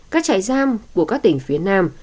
các trại giam của các tỉnh phía nam